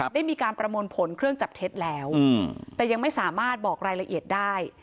ได้มีการประมวลผลเครื่องจับเท็จแล้วแต่ยังไม่สามารถบอกรายละเอียดได้